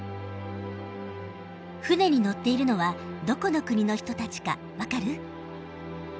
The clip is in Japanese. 船に乗っているのはどこの国の人たちか分かる？